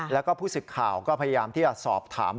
แล้วก็ผู้สึกข่าวก็พยายามที่จะสอบถาม